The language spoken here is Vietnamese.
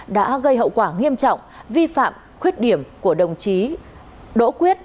hai nghìn hai mươi hai nghìn hai mươi hai nghìn hai mươi năm đã gây hậu quả nghiêm trọng vi phạm khuyết điểm của đồng chí đỗ quyết